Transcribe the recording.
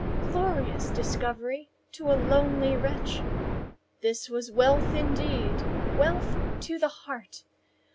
Glorious discovery to a lonely wretch! This was wealth indeed!—wealth to the heart!